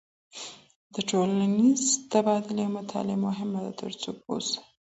د ټولنیزې تبادلې مطالعه مهمه ده ترڅو پوه سو.